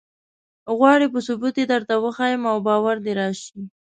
غواړې په ثبوت یې درته وښیم او باور دې راشي.